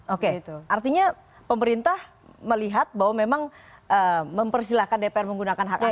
oke itu artinya pemerintah melihat bahwa memang mempersilahkan dpr menggunakan hak angk